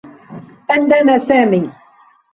أذّن سامي.